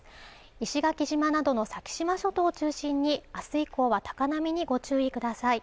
石垣島などの先島諸島を中心に明日以降は高波にご注意ください